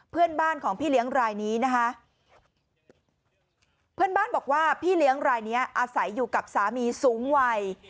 เพื่อนบ้านของพี่เลี้ยงรายนี้นะคะเพื่อนบ้านบอกว่าพี่เลี้ยงรายเนี้ยอาศัยอยู่กับสามีสูงวัย